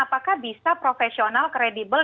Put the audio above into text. apakah bisa profesional kredibel